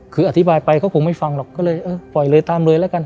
คืออธิบายไปเขาคงไม่ฟังหรอกก็เลยเออปล่อยเลยตามเลยแล้วกัน